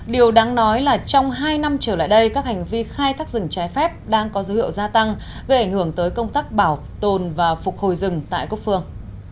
điều đáng nói là trong hai năm trở lại đây các hành vi khai thác rừng trái phép đang có dấu hiệu gia tăng gây ảnh hưởng tới công tác bảo tồn và phục hồi rừng tại quốc phương